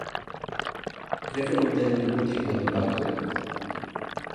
¿Cre que non ten ningún tipo de impacto?